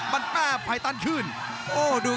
รับทราบบรรดาศักดิ์